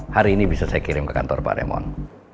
hari ini bisa saya kirim ke kantor pak raymond